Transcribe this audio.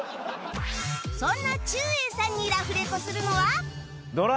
そんなちゅうえいさんにラフレコするのは